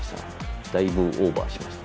だいぶオーバーしましたね。